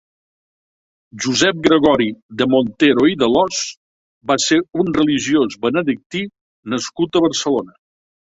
Josep Gregori de Montero i d'Alòs va ser un religiós benedictí nascut a Barcelona.